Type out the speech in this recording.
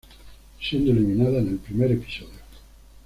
Siendo eliminada en el primer episodio.